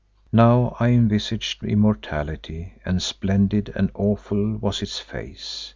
Now I envisaged Immortality and splendid and awful was its face.